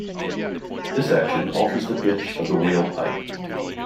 This action alters the pitch of the 'wail pipe'.